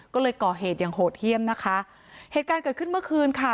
ก็เลยก่อเหตุอย่างโหดเยี่ยมนะคะเหตุการณ์เกิดขึ้นเมื่อคืนค่ะ